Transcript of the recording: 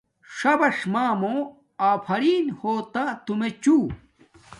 ݽَبَݽ مݳمݸ آفرݵن ہݸ تُمݵچُݸ.